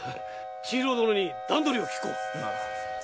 千尋殿に段取りを訊こう。